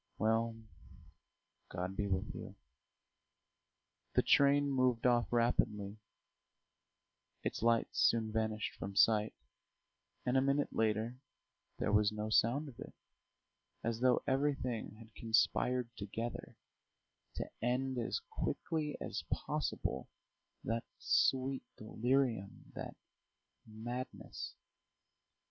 Well, God be with you." The train moved off rapidly, its lights soon vanished from sight, and a minute later there was no sound of it, as though everything had conspired together to end as quickly as possible that sweet delirium, that madness.